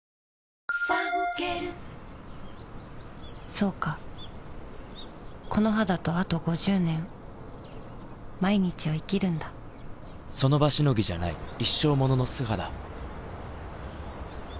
そうかこの肌とあと５０年その場しのぎじゃない一生ものの素肌